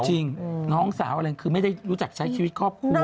จริงน้องสาวอะไรคือไม่ได้รู้จักใช้ชีวิตครอบครัว